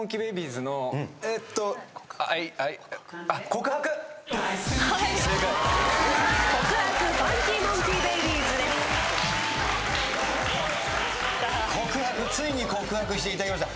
『告白』『告白』ついに告白していただきました。